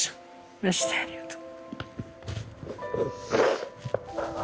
マジでありがとう。